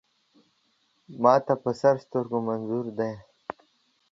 ما ته په سر سترګو منظور دی.